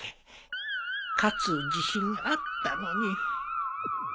勝つ自信あったのに